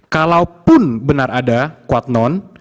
kalaupun benar ada kuat non